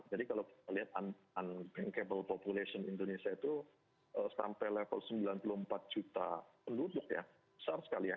jadi kalau kita lihat unbankable population indonesia itu sampai level sembilan puluh empat juta penduduk ya besar sekali ya